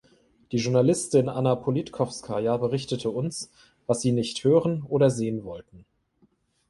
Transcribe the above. Die Journalistin Anna Politkowskaja berichtete uns, was Sie nicht hören oder sehen wollten.